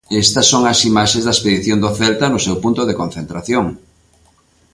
Estas son as imaxes da expedición do Celta no seu punto de concentración.